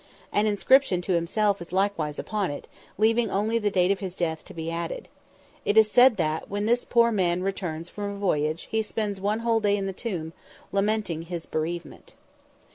An inscription to himself is likewise upon it, leaving only the date of his death to be added. It is said that, when this poor man returns from a voyage, he spends one whole day in the tomb, lamenting his bereavement.